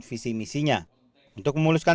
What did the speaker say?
visi misinya untuk memuluskan